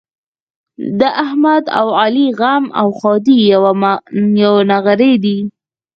د احمد او علي غم او ښادي د یوه نغري دي.